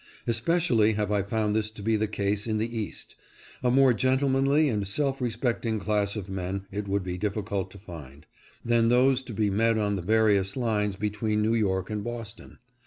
Especially have I found this to be the case in the East. A more gentlemanly and self respecting class of men it would be difficult to find, than those to be met on the various lines between New York and Boston.